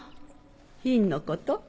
ヒンのこと？